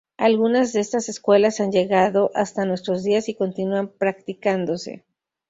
Algunas de estas escuelas han llegado hasta nuestros días y continúan practicándose.